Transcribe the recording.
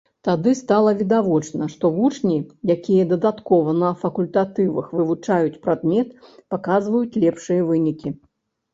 Тады стала відавочна, што вучні, якія дадаткова на факультатывах вывучаюць прадмет, паказваюць лепшыя вынікі.